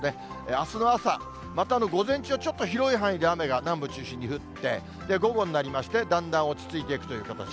あすの朝、また午前中はちょっと広い範囲で雨が、南部中心に降って、午後になりまして、だんだん落ち着いていくという形。